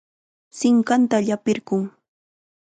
Sinqanta llapirqun.